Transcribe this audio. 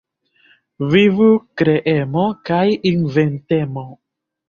Vivu kreemo kaj inventemo.